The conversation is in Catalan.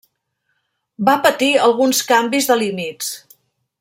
Va patir alguns canvis de límits.